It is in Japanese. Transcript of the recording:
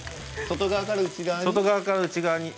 外側から内側に？